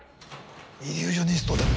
イリュージョニストでも？